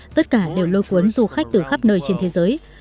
tất cả đều lôi cuốn du khách từ khắp nơi trên thế giới